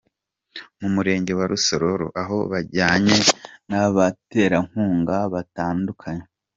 Mu murenge wa Rusororo ho bajyanye n'abaterankunga batandukanye.